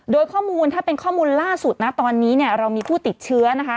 โดยข้อมูลถ้าเป็นข้อมูลล่าสุดนะตอนนี้เนี่ยเรามีผู้ติดเชื้อนะคะ